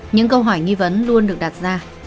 những câu hỏi nghi vấn luôn được đặt ra